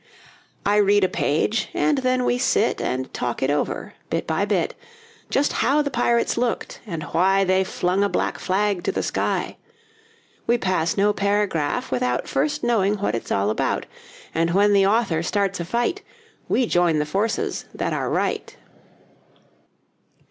I read a page, and then we sit And talk it over, bit by bit; Just how the pirates looked, and why They flung a black flag to the sky. We pass no paragraph without First knowing what it's all about, And when the author starts a fight We join the forces that are right.